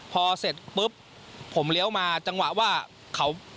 พอเสร็จปุ๊บผมเลี้ยวมาจังหวะว่าเขา